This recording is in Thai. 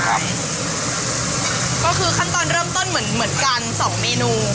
ก็คือขั้นตอนเริ่มต้นเหมือนกัน๒เมนู